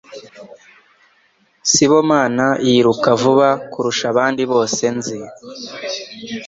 Sibomana yiruka vuba kurusha abandi bose nzi.